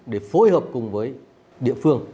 để phối hợp cùng với địa phương